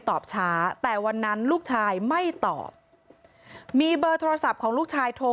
ตอบช้าแต่วันนั้นลูกชายไม่ตอบมีเบอร์โทรศัพท์ของลูกชายโทร